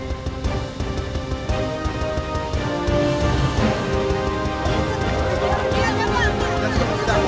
jangan lupa ikut kami